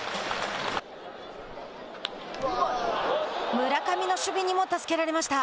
村上の守備にも助けられました。